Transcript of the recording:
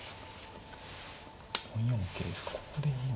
４四桂ですか。